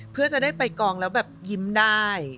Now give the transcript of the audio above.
เพื่อจะได้ไปกองแล้วแบบยิ้มได้